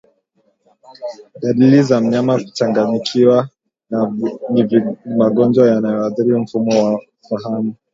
Dalili za mnyama kuchanganyikiwa ni magonjwa yanayoathiri mfumo wa fahamu